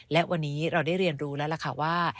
และวันนี้เราได้เรียนรู้แล้วล่ะค่ะว่า